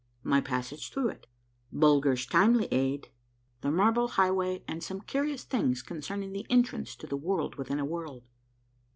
— MY PASSAGE THROUGH IT. — Bulger's timely aid. — the marble HIGH^YAY and some CURIOUS THINGS CONCERNING THE ENTRANCE TO THE ^YORLD WITHIN A WORLD.